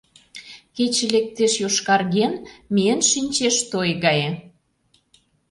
Кече лектеш йошкарген, миен шинчеш той гае.